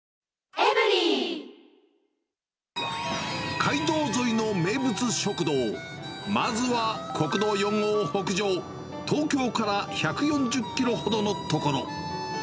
街道沿いの名物食堂、まずは国道４号を北上、東京から１４０キロほどの所。